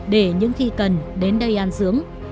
để những khi cần